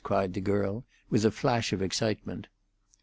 cried the girl, with a flash of excitement.